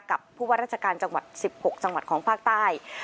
กับผู้ว่าราชการจังหวัด๑๖จังหวัดของภาคใต้